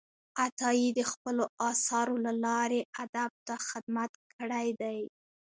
عطايي د خپلو آثارو له لارې ادب ته خدمت کړی دی.